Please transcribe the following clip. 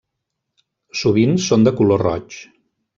Sovint són de color roig.